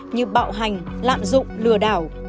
như bạo hành lạm dụng lừa đảo